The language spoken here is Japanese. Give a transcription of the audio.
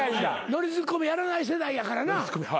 ノリツッコミやらない世代やからな。